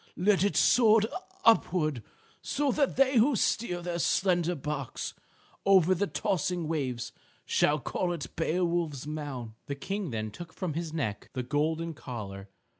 Let it soar upward so that they who steer their slender barks over the tossing waves shall call it Beowulf's mound." The King then took from his neck the golden collar.